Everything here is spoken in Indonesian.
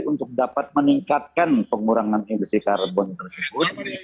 untuk dapat meningkatkan pengurangan emisi karbon tersebut